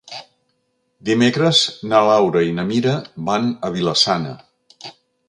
Dimecres na Laura i na Mira van a Vila-sana.